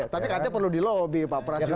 tapi katanya perlu di lobby pak pras juga